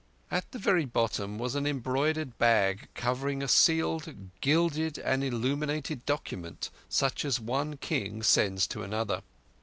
At the very bottom was an embroidered bag covering a sealed, gilded, and illuminated document such as one King sends to another.